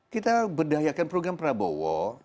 kita berdayakan program prabowo